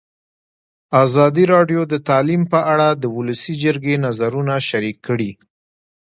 ازادي راډیو د تعلیم په اړه د ولسي جرګې نظرونه شریک کړي.